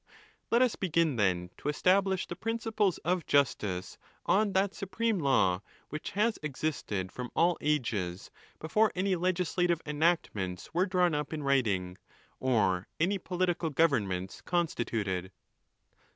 Let us begin, then, to establish the principles of justice on that supreme law, which has existed from all ages before any legislative enactments were drawn up in ba li or any political governments constituted.